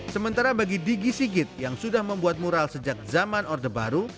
sementara bagi digi sigit yang sudah membuat mural sejak zaman orde baru